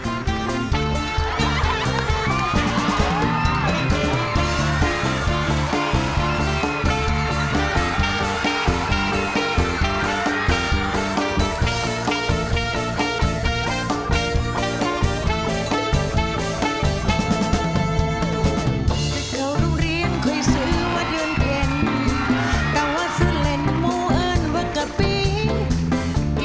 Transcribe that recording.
เกิดเข้ารุกเรียนเคยสื้อว่าเดือนเกณฑ์แต่ว่าซื่อเล่นหมู่เอิ้นว่ากับปี